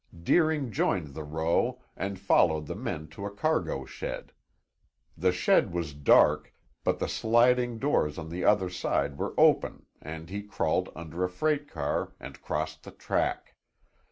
Deering joined the row and followed the men to a cargo shed. The shed was dark, but the sliding doors on the other side were open and he crawled under a freight car and crossed the track.